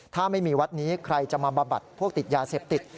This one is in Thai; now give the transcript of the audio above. ถ้าไม่มีวัดนี้ใครจะมาบำบัดพวกติดยาเสพติด